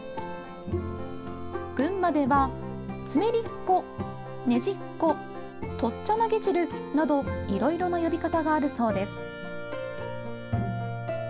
群馬では「つめりっこ」「ねじっこ」「とっちゃなげ汁」などいろいろな呼び方があるそうです。